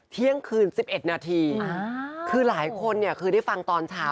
เที่ยงคืน๑๑นาทีคือหลายคนเนี่ยคือได้ฟังตอนเช้า